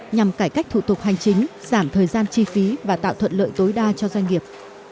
nhằm cải cách thủ tục hành chính giảm thời gian chi phí và tạo thuận lợi tối đa cho doanh nghiệp